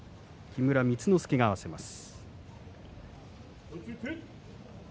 木村光之助が合わせます。